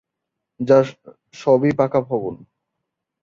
যার সবই পাকা ভবন।